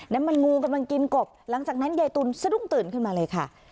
งูมันงูกำลังกินกบหลังจากนั้นยายตุลสะดุ้งตื่นขึ้นมาเลยค่ะ